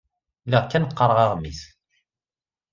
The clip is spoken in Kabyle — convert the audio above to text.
Lliɣ kan qqareɣ aɣmis.